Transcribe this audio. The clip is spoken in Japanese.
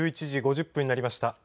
１１時５０分になりました。